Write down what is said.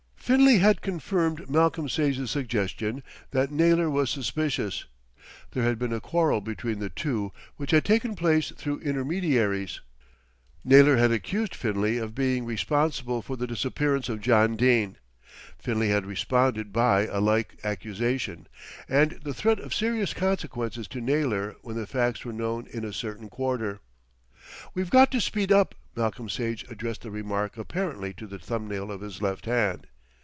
Finlay had confirmed Malcolm Sage's suggestion that Naylor was suspicious. There had been a quarrel between the two, which had taken place through intermediaries. Naylor had accused Finlay of being responsible for the disappearance of John Dene. Finlay had responded by a like accusation, and the threat of serious consequences to Naylor when the facts were known in a certain quarter. "We've got to speed up." Malcolm Sage addressed the remark apparently to the thumbnail of his left hand.